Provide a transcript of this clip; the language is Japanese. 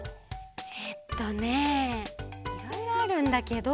えっとねいろいろあるんだけど。